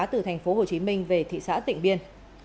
từ thành phố hồ chí minh về thị xã tịnh biên